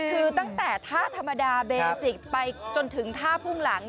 คือตั้งแต่ท่าธรรมดาเบสิกไปจนถึงท่าพุ่งหลัง